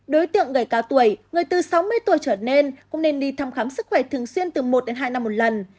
đối tượng người cao tuổi người từ sáu mươi tuổi trở nên cũng nên đi thăm khám sức khỏe thường xuyên từ một đến hai năm một lần